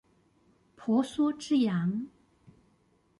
婆娑之洋